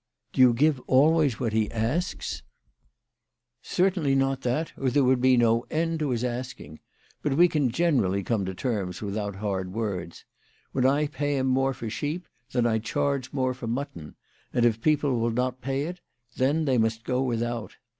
" Do you give always what he asks ?"" Certainly not that, or there would be no end to his asking. But we can generally come to terms without hard words. When I pay him more for sheep, then I charge more for mutton ; and if people will not pay it, then they must go without.